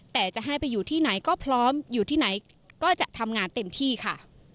แต่จะให้ไปอยู่ที่ไหนก็พร้อมอยู่ที่ไหนก็จะทำงานเต็มที่ค่ะ